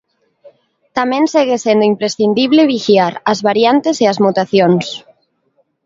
Tamén segue sendo imprescindible vixiar as variantes e as mutacións.